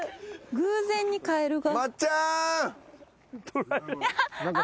偶然にカエルが。